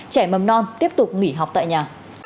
trẻ mầm non tiếp tục nghỉ học tại nhà